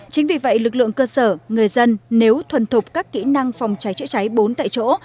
chính vì vậy lực lượng cơ sở người dân nếu thuần thục các kỹ năng phòng cháy chữa cháy bốn tại chỗ